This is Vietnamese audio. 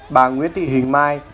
bà nguyễn thị hình mai